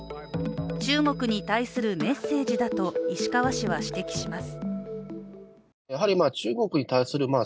中国に対するメッセージだと石川氏は指摘します。